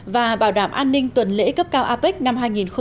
và bảo đảm an ninh tuần lễ cấp cao apec năm hai nghìn một mươi bảy